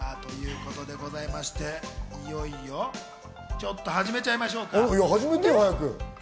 ちょっと始めちゃいましょうか。